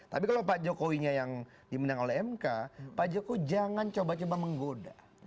tapi kalau pak jokowinya yang dimenang oleh mk pak jokowi jangan coba coba menggoda